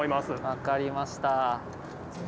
分かりました。